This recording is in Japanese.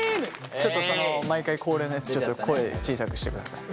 ちょっとその毎回恒例のやつちょっと声小さくしてください。